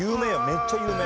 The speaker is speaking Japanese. めっちゃ有名。